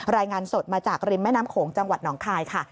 รายงานสดมาจากริมแม่น้ำโขงจังหวัดหนองคายค่ะ